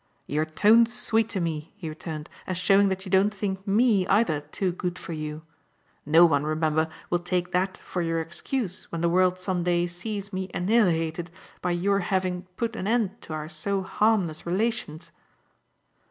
"Your tone's sweet to me," he returned, "as showing that you don't think ME, either, too good for you. No one, remember, will take that for your excuse when the world some day sees me annihilated by your having put an end to our so harmless relations."